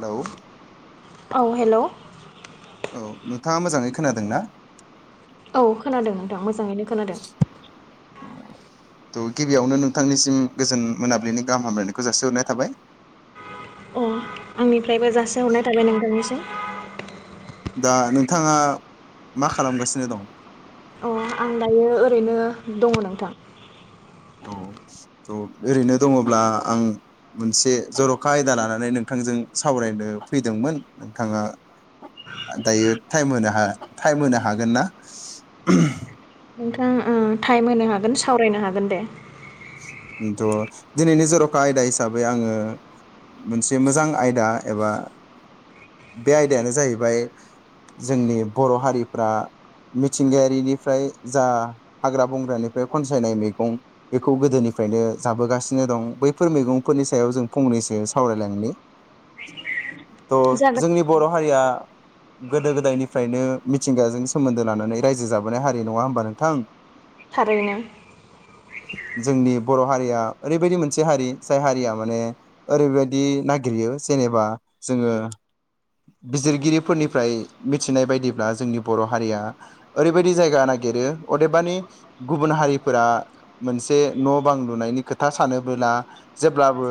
Hello औ hello. औ नोंथाङा मोजाङै खोनादों ना? औ खोनादों नोंथां मोजाङैनो खोनादों। त' गिबियावनो नोंथांनिसिम गोजोन मोनाबिलिनि गाहाम हामलायनायखौ जासिहरनाय थाबाय। उम आंनिफ्रायबो जासिहरनाय थाबाय नोंथांनिसिम। दा नोंथांङा मा खालामगासिनो दं? अ आं दायो ओरैनो दङ' नोंथां। औ त' ओरैनो दङ'ब्ला आं मोनसे जर'खा आयदा लानानै नोंथांजों सावरायनो फैदोंमोन। नोंथाङा आ दायो टाइम होनो हा टाइम होनो हागोन ना? [unintelligible] नोंथां उम थाइम होनो हागोन सावरायनो हागोन दे। द' दिनैनि जर'खा आयदा हिसाबै आङो मोनसे मोजां आयदा एबा बे आयदायानो जाहैबाय जोंनि बर' हारिफ्रा मिथिंगायारिनिफ्राय जा हाग्रा बंग्रानिफ्राय खनसायनाय मेगं बेखौ गोदोनिफ्रायनो जाबोगासिनो दं। बैफोर मैगंफोरनि सायाव जों फंनैसो सावरायलांनि। थ जागोन जोंनि बर हारिया। गोदो गोदायनिफ्रायनो मिथिंगाजों सोमोन्दो लानानै रायजो जाबोनाय हारि नङा होमबा नोंथां? थारैनो। जोंनि बर हारिया ओरैबायदि मोनसे हारि जाय हारिया माने ओरैबायदि नागिरयो जेनेबा जोङो बिजिरगिरिफोरनिफ्राय मिथिनाय बायदिब्ला जोंनि बर हारिया ओरैबायदि जायगा नागिरो अदेबानि गुबुन हारिफोरा मोनसे न बां लुनायनि खोथा सानबोला जेब्लाबो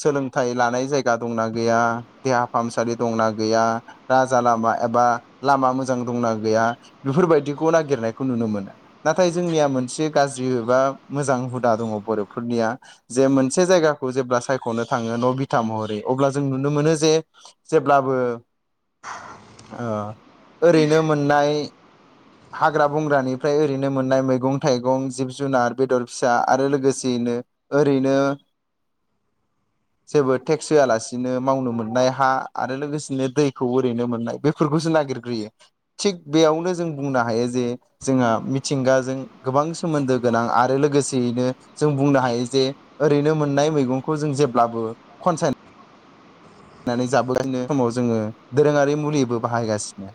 सोलोंथाइ लानाय जायगा दंना गैया देहा फाहामसालि दंना गैया राजा लामा एबा लामा मोजां दंना गैया बेफोरबायदिखौ नागिरनायखौ नुनो मोनो नाथाय जोंनिया मोनसे गाज्रि जा मोजां हुदा दं बरफोरनिया जे मोनसे जायगाखौ जेब्ला सायखनो थाङो न बिधा महरै अब्ला जों नुनो मोनो जे जेब्लाबो ओ ओरैनो मोननाय हाग्रा बंग्रानिफ्राय ओरैनो मोननाय मैगं थायगं जिब जुनार बेदर फिसा आरो लोगोसेयैनो ओरैनो जेबो टेक्स होआलासिनो मावनो मोननाय हा आरो लोगोसेनो दैखौ ओरैनो मोननाय बेफोरखौसो नागिरग्रोयो थिग बेयावनो जों बुंनो हायो जे जोंहा मिथिंगाजों गोबां सोमोन्दो गोनां आरो लोगोसेयैनो जों बुंनो हायो जे ओरैनो मोननाय मैगंखौ जों जेब्लाबो खनसाय नानै जाब समाव जोङो दोरोङारि मुलिबो बाहायगासिनो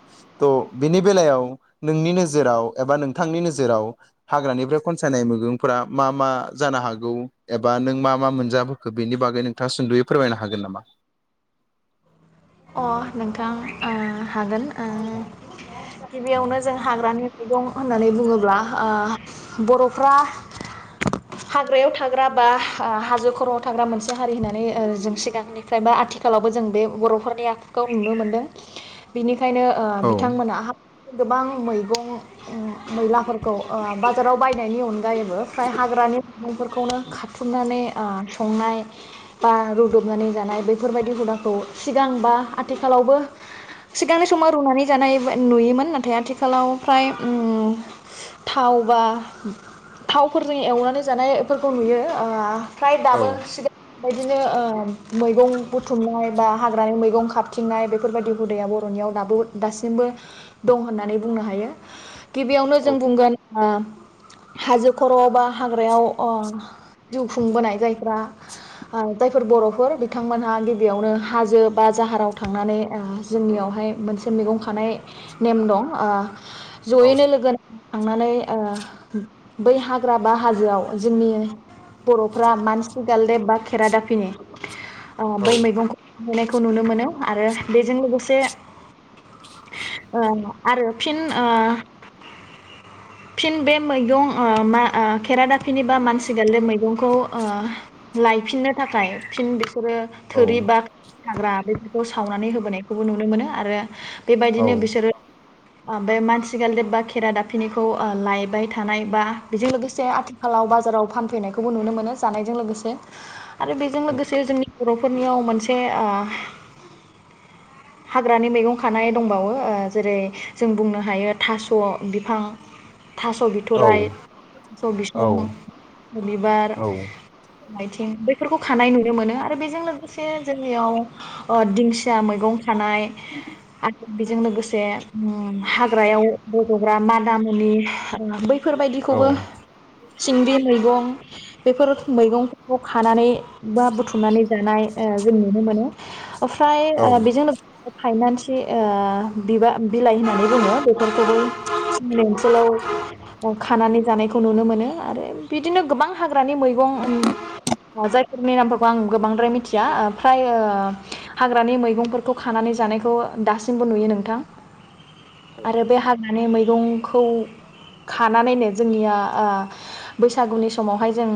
थ बेनि बेलायाव नोंनि नोजोराव एबा नोंथांनि नोजोराव हाग्रानिफ्राय खनसायनाय मैगंफोरा मा मा जानो हागौ एबा नों मा मा मोनजाबोखो बेनि बागै नोंथांङा सुदयै फोरमायनो हागोन नामा? अ नोंथां ओ हागोन। ओ गिबियावनो जों हाग्रानि मैगं होननानै बुङोब्ला ओ बरफ्रा हाग्रायाव थाग्रा बा आ हाजो खरआव थाग्रा मोनसे हारि होननानै ओ जों सिगांनिफ्राय बा आथिखालावबो जों बे बर फोर बे आखुखौ नुनो मोनदों बिनि ओंखायनो ओ औ बिथांमोना गोबां मैगं उम मैलाफोरखौ ओ बाजाराव बायनायनि अन जायोबो फ्राय हाग्रानि नुंफोरखौनो खाारथुमनानै ओ संनाय बा रुदबनानै जानाय बेफोरबायदि हुदाखौ सि गांबा आथिखालावबो सिगांनि समाव रुनानै जानाय नुयोमोन नाथाय आथिखालाव फ्राय थाव बा थावफोरजों एवनानै जानायफोरखौ नुयो फ्राय औ दाबो सि बायदिनो ओ मैगं बुथुमनाय बा हाग्रानि मैगं खाबथिंनाय बेफोरबायदि हुदाया बर'नियाव दाबो दासिमबो दं होननानै बुंनो हायो। गिबियावनो औ जों बुंगोन ओ हाजो खर' बा हाग्रायाव ओ जिउ खुंबोनाय जायफ्रा ओ जायफोर बर'फोर बिथांमोनहा गिबियावनो हाजो बा जाहाराव थांनानै ओ जोंनियावहाय मोनसे मैगं खानाय नेम दं ओ औ जयैनो लोगो थांनानै ओ बै हाग्रा बा हाजोआव जोंनि बर'फ्रा मानसि गालदेब बा खेरा दाफिनि अ बै मैगंखौ नायखौ नुनो मोनो आरो बेजों लोगोसे ओं आरो फिन ओ फिन बे मैगं ओ मा खेरादाफिनिबा मानसि ग बे मैगंखौ ओ लायफिननो थाखाय फिन बेफोरो औ थोरि बा हाग्रा बेफोर खौ सावनानै होबोनायखौबो नुनो मोनो आरो बेबायदिनो बिसोरो बे मानसि गालदेब बा खेरा दाफिनिखौ ओ लायबाय थानाय बा बेजों लोगोसे आथिखालाव बाजाराव फानफैनायखौबो नुनो मोनो जानायजों लोगोसे आरो बेजों लोगोसे जोंनि बर'फोरनियाव मोनसे से ओ हाग्रानि मैगं खानाय दंबावो ओ जेरै जों बुंनो हायो थास' बिफां थास' बिथ'राय थास' औ बिसं बिबार आथिं बेफोरखौ खानाय नुनो मोनो आरो बेजों लोगोसे जोंनियाव ओ दिंसिया मैगं खानाय आ बेजों लोगोसे अम हाग्रायाव गग्रा मादामुनि बै औ फोरबायदिखौबो सिंग्रि मैगं बेफोर मैगंफोरखौ खानानै बा बुथुमनानै जानाय जों नुनो मोनो। ओमफ्राय ओ बेजों नो फाइनान्सि ओ बिबा बिलाइ होननानै बुङो बे फोरखौबो आथिखालाव खानानै जानायखौ नुनो मोनो आरो बिदिनो गोबां हाग्रानि मैगं ओम फ्राय ओ हाग्रानि मैगंफोरखौ खानानै जानायखौ दासिमबो नुयो नोंथां। आरो बे हा मानि मैगंखौ खानानैनो जोंनिया ओ बैसागुनि समावहाय जों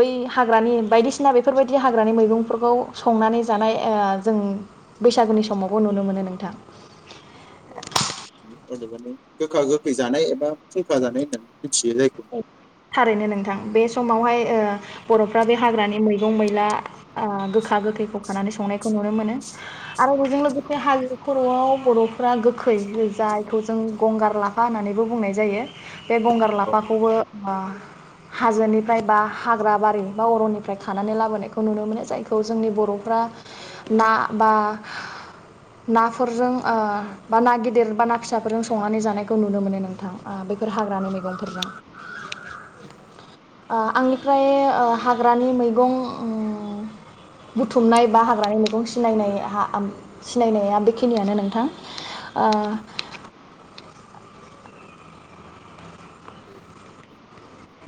बै हाग्रानि बायदिसिना बेफोरबायदि हाग्रानि मैगंफोरखौ संनानै जानाय ओ जों बैसागोनि समावबो नुनो मोनो नोंथां। औ माने गोखा गोखै जानाय एबा फुंखा जानाय होननानै मिथियो जायखौ थारैनो नोंथां बे समावहाय ओ बर'फ्रा बे हाग्रानि मैगं मैला गोखा गोखैखौ खानानै संनायखौ नुनो मोनो आरो बेजों लोगोसे हाजो खर'आव बर'फ्रा गोखै जायखौ जों गंगार लाफा होननानैबो बुंनाय जायो बे गंगार औ लाफाखौबो हाजोनिफ्राय बा हाग्रा बारि बा अर'निफ्राय खानानै लाबोनायखौ नुनो मोनो जायखौ जोंनि बर'फ्रा ना बा नाफोरजों ओ बा ना गिदिर बा ना फिसाफोरजों संनानै जानायखौ नुनो मोनो नोंथां ओ बेफोर हाग्रानि औ मेगंफोरजों। ओ आंनिफ्राय ओ हाग्रानि ओं मैगं बुथुमनाय बा हाग्रानि मैगं सिनायनाय सिनायनाया बेखिनियानो नोंथां ओ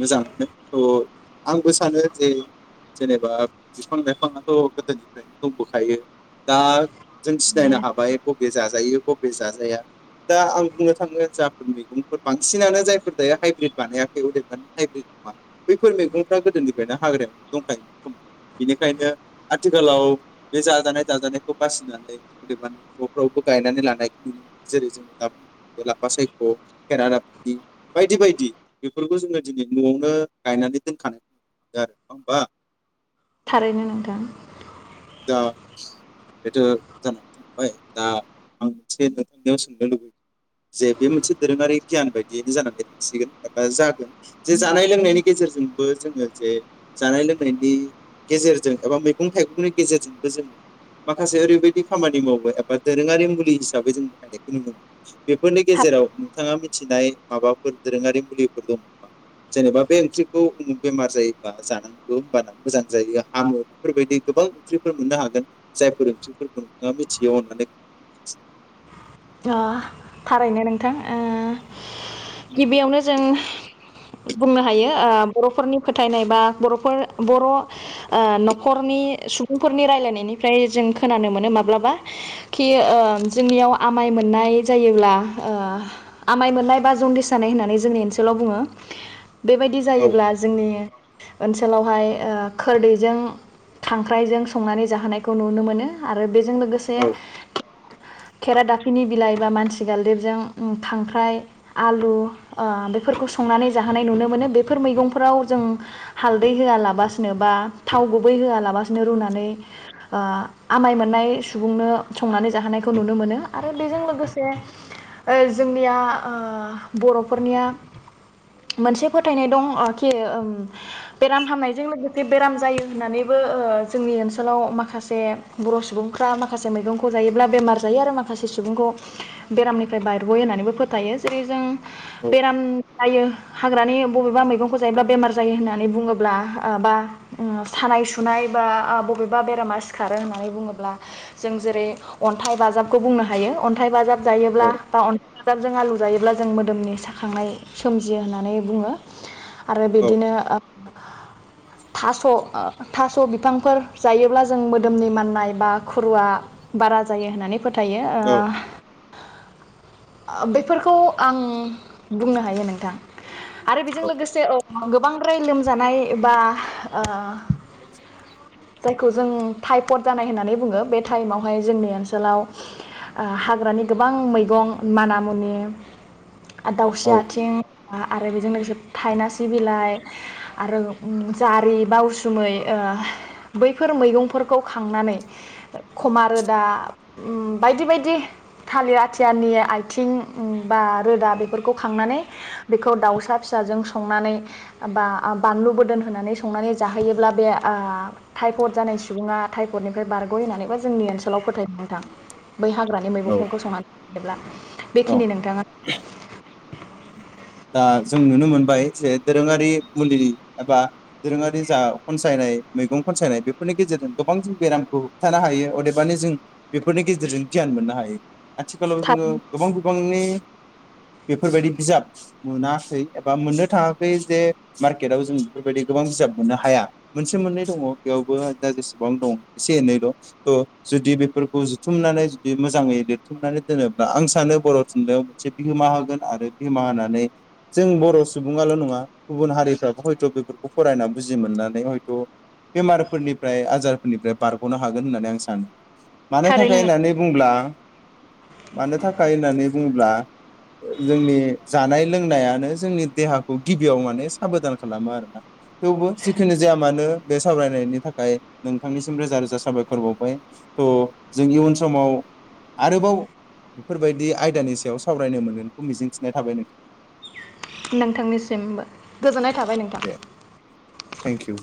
मोजाङानो थ' आंबो सानो जे जेनेबा बिफां लाइफाङाथ' गोदोनिफ्रायनो दंबोखायो दा जों सिनायनो हाबाय बबे जाजायो बबे बे जाजाया दा आं बुंनो थाङो जाफोर मैगंफोर बांसिनानो जायफोर दायो हाइब्रिद बानायाखै हाइब्रिद नङा बैफोर मैगंफ्रा गोदोनिफ्रायनो हाग्रायावनो दंखायोमोन खोमा बेनिखायनो आथिखालाव बे जाजानाय दाजानायखौ बासिनानै अदेबानि न'फ्रावबो गायनानै लानायखौ नुनो मोनो जेरै जोङो दा बु लाफा सायख' खेरादाफनि बायदि बायदि बेफोरखौ जोंङो दिनै न'आवनो गायनानै दोनखानाय आरो नङा होमबा थारैनो नोंथां दा बेथ' जानानै थांबाय दा आं मोनसे नोंथांनियाव सोंनो लुबैयो जे बे मोनसे दोरोङारि गियान बायदियैनो जानानै थांसिगोन एबा जागोन जे जानाय लोंनायनि गेजेरजोंबो जोंङो जे जानाय लोंनायनि गेजेरजों एबा मैगं थाइगंनि गेजेरजोंबो जोंङो माखासे ओरैबायदि खामानि मावो एबा दोरोङारि मुलि हिसाबै जों बाहायनायखौ नुनो मोनो। बेफोरनि थाब गेजेराव नोंथाङा मि थिनाय माबाफोर दोरोंङारि मुलिफोर दंङा जेनेबा बे ओंख्रिखौ बेमार जायोब्ला जानांगौ होमबाना मोजां जायो हामो बेफोरबायदि गोबां ओंख्रिफोर मोननो हागोन जायफोर ओंख्रिफोरखौ नोंथाङा मिथियोबा अननानै अ थारैयनो नों थां गिबियावनो जों बुंनो हायो ओ बर'फोरनि फोथायनाय बा बर'फोर बर' ओ न'खरनि सुबुंफोरनि रायलायनायनिफ्राय जों खोनानो मोनो माब्लाबा कि ओ जोंनियाव आमाय मोननाय जायोब्ला ओ आमाइ मोननाय बा जन्दि सानाय होननानै जोंनि ओनसोलाव बुङो। बेबायदि औ जायोब्ला जोंनि ओनसोलावहाय ओ खोरदैजों खांख्राइजों संनानै जाहोनायखौ नुनो मोनो आरो। बेजों लोगोसे औ खेरा दाफिनि बिलाइ बा माथि गाल्देबजों खांख्राइ आलु ओ बेफोरखौ संनानै जाहोनाय नुनो मोनो बेफोर मैगंफोराव जों हालदै होआलाबसिनो बा थाव गुबै होआलाबसिनो रुनानै ओ आमाय मोननाय सुबुंनो संनानै जाहोनायखौ नुनो मोनो। आरो बेजों लोगोसे ओ जोंनिया ओ बर'फोरनिया मोनसे फोथायनाय दं कि ओं बेराम हामनायजों लोगोसे बेराम जायो होननानैबो ओ जोंनि ओनसोलाव माखासे बर' सुबुंफ्रा माखासे मैगंखौ जायोब्ला बेमार जायो आरो माखा खासे सुबुंखौ बेरामनिफ्राय बारग'यो होननानैबो फोथायो जेरै जों औ बेेराम जायो हाग्रानि बबेबा मैगंखौ जायोब्ला बेमार जायो होननानै बुङोब्ला ओ बा सानाय सुनाय बा बबेबा बेरामा सिखारो होननानै बुङोब्ला जों जेरै अन्थाइ बाजाब खौ बुंनो हायो अन्थाइ बाजाब जायोब्ला औ बा अनथाइ बाजाबजों आलु जायोब्ला जों मोदोमनि साखांनाय सोमजियो होननानै बुङो। आरो औ बिदिनो थास' थास' बिफांफोर जायोब्ला जों मोदोमनि माननाय बा खुरुआ बारा जायो होननानै फोथायो। औ बेफोरखौ आं बुंनो हायो नोंथां आरो बेजों औ लोगोसे ओ गोबांद्राय लोमजानाय बा जायखौ जों ओ टाइफड जानाय होननानै बुङो बे टाइमावहाय जोंनि ओनसोलाव हाग्रानि गोबां मैगं माना मुनि आरो दाउस्रि औ आथिं आरो बेजों लोगोसे थायनासि बिलाइ आरो जारि बा उसुमै ओ बैफोर मैगंफोरखौ खांनानै खमा रोदा बायदि बायदि थालिर आथियाारनि आथिं बा रोदा बेफोरखौ खांनानै बेखौ दाउसा फिसाजों संनानै बा बानलु बदोन होनानै संनानै जाहोयोब्ला बे ओ टाइफड जानाय सुबुङा टाइफडनिफ्राय बारग'यो होननानैबो जोंनि ओनसोलाव फोथायो नोंथां। बै हाग्रानि औ मैगंफोरखौ संनानै थोबब्ला औ बेखिनि नोंथाङा [unintelligible] दा जों नुनो मोनबाय जे दोरोङारि मुलि एबा दोरोङारि जा खनसायनाय मैगं खनसायनाय बेफोरनि गेजेरजों गोबां जों बेरामखौ होबथानो हायो अदेबानि जों बेफोरनि गेजेरजों गियान मोननो हायो। आथिखालाव जोङो थाब गोबां गोबांनि बेफोरबायदि बिजाब मोनाखै एबा मोननो थाङाखै जे मार्केटआव जों बेफोरबायदि गोबां बिजाब मोननो हाया मोनसे मोननै दङ बेयावबो दा जेसेबां दं एसे एनैल' थ' जुदि बेफोरखौ जुथुमनानै जुदि मोजाङै लिरथुमनानै दोनोब्ला आं सानो बर' थुनलाइयाव मोनसे बिहोमा होगोन आरो बिहोमा होननानै। जों बर' सुबुङाल' नङा गुबुन हारिफ्राबो हयथ' बेफोरखौ फरायना बुजि मोननानै हयथ' बेमारफोरनिफ्राय आजारफोरनिफ्राय बारग'नो हागोन होननानै आं सानो। मानो थारैनो थाखाय होननानै बुंब्ला मानो थाखाय होननानै बुङोब्ला जोंनि जानाय लोंनायानो जोंनि देहाखौ गिबियाव माने साबदान खालामो आरोना। थेवबो जिखिनि जाया मानो बे सावरायनायनि थाखाय नोंथांनिसिम रोजा रोजा साबायखर बावबाय थ' जों इयुन समाव आरोबाव बेफोरबायदि आयदानि सायाव सावरायनो मोनगोनखौ मिजिंथिनाय थाबाय नोंथां। नोंथांनिसिमबो गोजोननाय थाबाय नोंथां। दे थेंक इउ